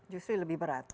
justru lebih berat